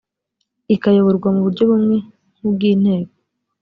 ikayoborwa mu buryo bumwe nk ubw inteko